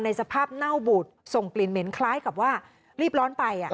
สภาพเน่าบูดส่งกลิ่นเหม็นคล้ายกับว่ารีบร้อนไป